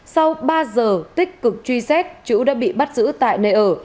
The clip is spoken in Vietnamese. sau ba giờ tích cực truy xét chữ đã bị bắt giữ tại nơi ở